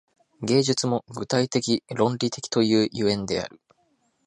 芸術も具体的論理的という所以である。